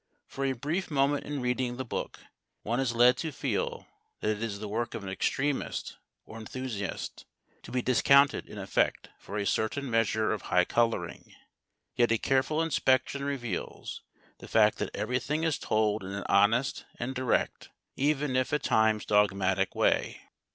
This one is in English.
For a brief moment in reading the book one is led to feel that it is the work of an extremist or enthusiast, to be discounted in effect for a certain measure of high coloring, yet a careful inspection reveals the fact that everything is told in an honest and direct, even if at times dogmatic, way.